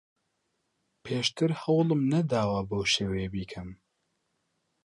پێشتر هەوڵم نەداوە بەو شێوەیە بیکەم.